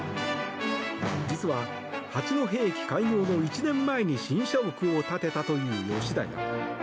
実は八戸駅開業の１年前に新社屋を建てたという吉田屋。